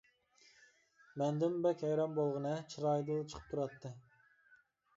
-مەندىنمۇ بەك ھەيران بولغىنى چىرايىدىنلا چىقىپ تۇراتتى.